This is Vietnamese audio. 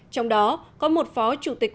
trong đó có một phó chủ tịch